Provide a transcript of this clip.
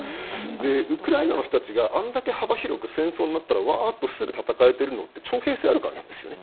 でウクライナの人たちがあれだけ幅広く戦争になったらわっとすぐ戦えてるのって徴兵制あるからなんですよね。